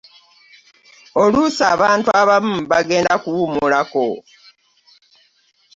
Oluusi abantu abamu bagenda kuwummulako .